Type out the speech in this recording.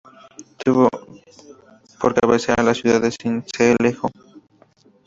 Tuvo por cabecera a la ciudad de Sincelejo.